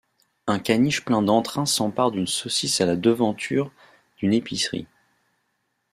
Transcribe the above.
Un caniche plein d’entrain s’empare d’une saucisse à la devanture d’une épicerie.